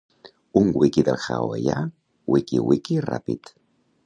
Un wiki del hawaià wikiwiki, ràpid